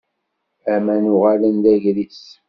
Aman uɣalen d agris.